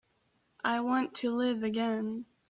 I want to live again.